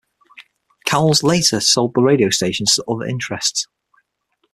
Cowles later sold the radio stations to other interests.